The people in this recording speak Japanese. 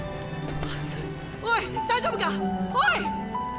おい大丈夫か⁉おい！